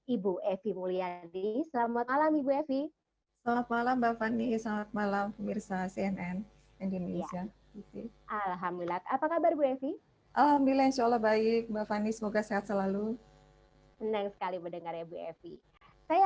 ibu evi mulyani selamat malam ibu evi